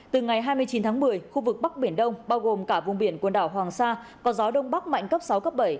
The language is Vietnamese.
từ ngày hai mươi chín tháng một mươi khu vực bắc biển đông bao gồm cả vùng biển quần đảo hoàng sa có gió đông bắc mạnh cấp sáu cấp bảy